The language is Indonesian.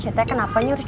cucu tuh kenapa nyuruhnya